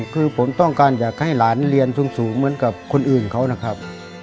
คือผมต้องการอยากให้หลานเรียนสูงเหมือนกับคนอื่นเขานะครับ